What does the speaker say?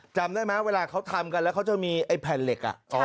จำได้มั้ยเวลาเค้าทำกันแล้วเค้าจะมีไอ้แผ่นเหล็กอ่ะ